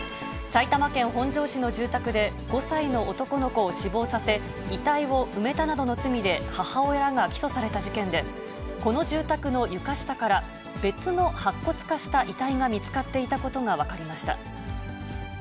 埼玉県本庄市の住宅で、５歳の男の子を死亡させ、遺体を埋めたなどの罪で、母親らが起訴された事件で、この住宅の床下から、別の白骨化した遺体が見つかっていたことが分かりました。